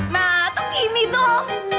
nah tuh kimi tuh